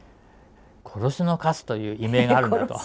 「殺しのカツ」という異名があるんだと。